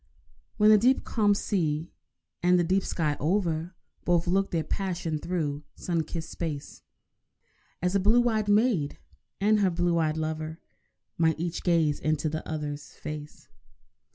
When the deep calm sea and the deep sky over Both look their passion through sun kissed space, As a blue eyed maid and her blue eyed lover Might each gaze into the other's face.